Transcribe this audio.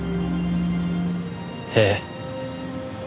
ええ。